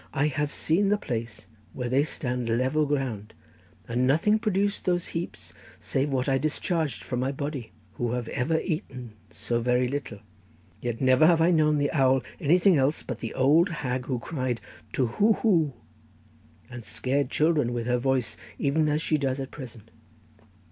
I have seen the place where they stand level ground, and nothing produced those heaps save what I discharged from my body, who have ever eaten so very little—yet never have I known the owl anything else but an old hag who cried Too hoo hoo, and scared children with her voice, even as she does at present.